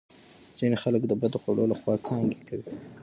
ځینې خلک د بدو خوړو له خوا کانګې کوي.